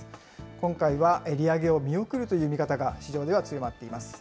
今回は利上げを見送るという見方が市場では強まっています。